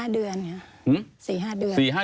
๔๕เดือนครับ